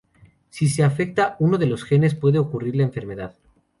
Si se afecta uno de los genes puede ocurrir la enfermedad.